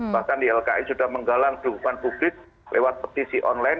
bahkan ilki sudah menggalang dugaan publik lewat petisi online